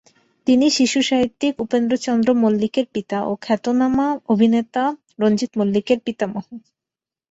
তিনি শিশুসাহিত্যিক উপেন্দ্রচন্দ্র মল্লিকের পিতা ও খ্যাতনামা অভিনেতা রঞ্জিত মল্লিকের পিতামহ।